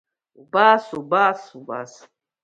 Убас, убас, убас!